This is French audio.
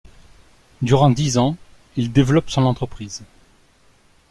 Durant dix ans, il développe son entreprise.